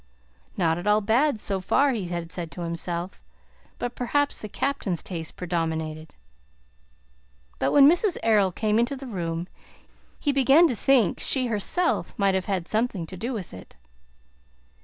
"Not at all bad so far," he had said to himself; "but perhaps the Captain's taste predominated." But when Mrs. Errol came into the room, he began to think she herself might have had something to do with it.